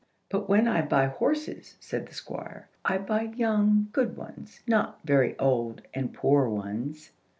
"But when I buy horses," said the Squire, "I buy young, good ones, not very old and poor ones."